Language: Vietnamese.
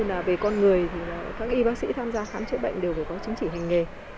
các dịch vụ y tế ở cơ sở